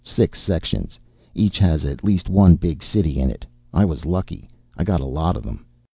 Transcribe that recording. Six sections. Each has at least one big city in it. I was lucky, I got a lot of them.